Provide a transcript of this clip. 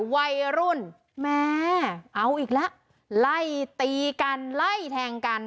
วัยรุ่นแม่เอาอีกแล้วไล่ตีกันไล่แทงกัน